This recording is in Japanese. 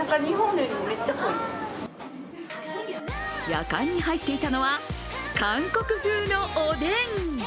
やかんに入っていたのは韓国風のおでん。